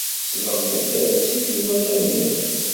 Teslemdeḍ tarusit i warraw-nnem.